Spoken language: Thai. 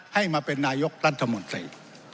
ให้มาเป็นนายกรัฐมนตรี